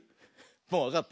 もうわかった？